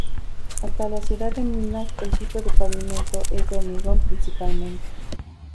Hasta la ciudad de Minas el tipo de pavimento es de hormigón principalmente.